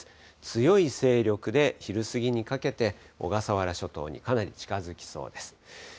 強い勢力で、昼過ぎにかけて、小笠原諸島にかなり近づきそうです。